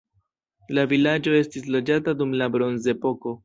La vilaĝo estis loĝata dum la bronzepoko.